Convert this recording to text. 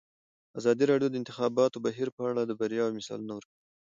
ازادي راډیو د د انتخاباتو بهیر په اړه د بریاوو مثالونه ورکړي.